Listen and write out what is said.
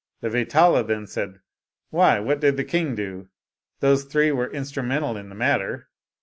The Vetala then said, "Why, what did the king do? Those three were in strumental in the matter.